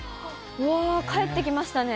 うわー、帰ってきましたね。